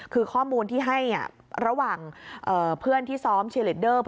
คือข้อมูลที่ให้ระหว่างเพื่อนที่ซ้อมเชียร์เลดเดอร์